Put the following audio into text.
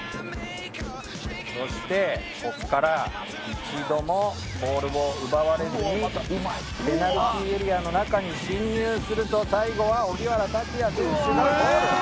そしてここから一度もボールを奪われずにペナルティーエリアの中に進入すると最後は荻原拓也選手がゴール。